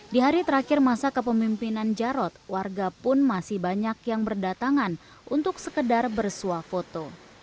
di hari terakhir masa kepemimpinan jarod warga pun masih banyak yang berdatangan untuk sekedar bersuah foto